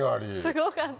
すごかった。